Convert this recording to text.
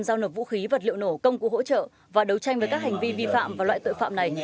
giao nộp vũ khí vật liệu nổ công cụ hỗ trợ và đấu tranh với các hành vi vi phạm và loại tội phạm này